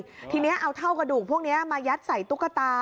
ทีนี้เอาเท่ากระดูกพวกนี้มายัดใส่ตุ๊กตา